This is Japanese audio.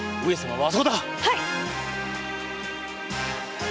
はい！